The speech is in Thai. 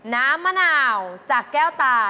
น้ำมะนาวจากแก้วตา